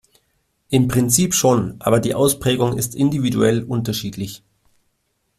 Im Prinzip schon, aber die Ausprägung ist individuell unterschiedlich.